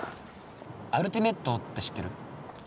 「アルティメット」って知ってる？